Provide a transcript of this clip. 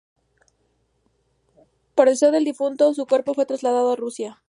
Por deseo del difunto, su cuerpo fue trasladado a Rusia.